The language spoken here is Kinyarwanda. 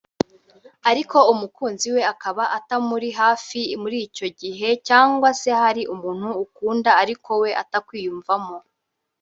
ariko umukunzi we akaba atamuri hafi muri icyo gihe cyangwa se hari umuntu ukunda ariko we atakwiyumvamo